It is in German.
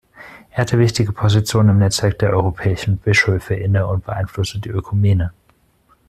Er hatte wichtige Positionen im Netzwerk der europäischen Bischöfe inne und beeinflusste die Ökumene.